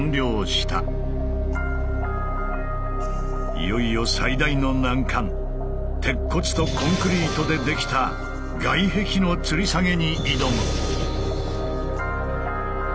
いよいよ最大の難関鉄骨とコンクリートで出来た外壁のつり下げに挑む。